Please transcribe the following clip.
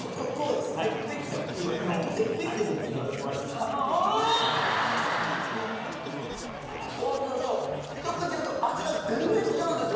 あそうすると一口目と味が全然違うんですよ